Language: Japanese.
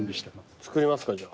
作りますかじゃあ。